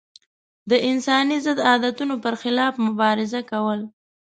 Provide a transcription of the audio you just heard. د انساني ضد عادتونو پر خلاف مبارزه کول.